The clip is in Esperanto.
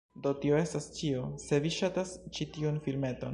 Do tio estas ĉio, se vi ŝatas ĉi tiun filmeton